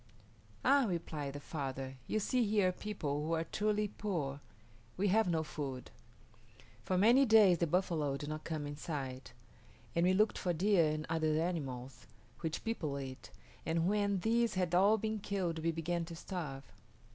"Ah," replied the father, "you see here people who are truly poor. We have no food. For many days the buffalo did not come in sight, and we looked for deer and other animals, which people eat, and when these had all been killed we began to starve.